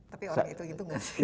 tapi orang itu gitu gak sih